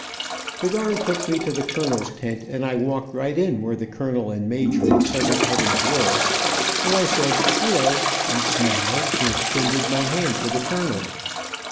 The guard took me to the colonel's tent, and I walked right in where the colonel and major and several others were, and I said Hello, and smiled, and extended my hand to the colonel.